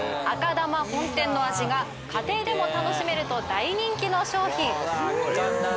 赤玉本店の味が家庭でも楽しめると大人気の商品。